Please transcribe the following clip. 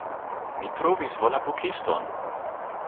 Mi trovis Volapukiston!